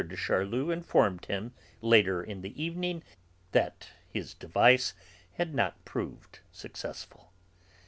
de Charlus informed him, later in the evening, that his device had not proved successful.